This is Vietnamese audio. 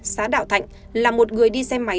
xã đạo thạnh là một người đi xe máy